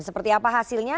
seperti apa hasilnya